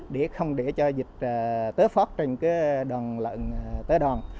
để không để cho dịch tế pháp trên đoàn lận tế đoàn